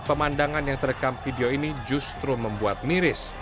pemandangan yang terekam video ini justru membuat miris